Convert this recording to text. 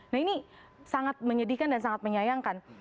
nah ini sangat menyedihkan dan sangat menyayangkan